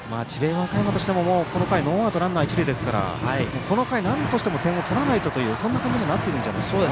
和歌山としてもこの回、ノーアウトランナー、一塁ですからこの回、なんとしても点を取らないとというそんな感じにもなっているんじゃないですか。